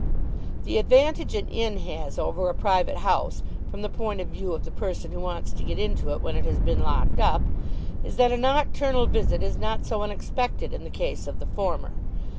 The advantage an inn has over a private house, from the point of view of the person who wants to get into it when it has been locked up, is that a nocturnal visit is not so unexpected in the case of the former.